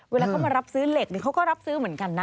เวลาเขามารับซื้อเหล็กหรือเขาก็รับซื้อเหมือนกันนะ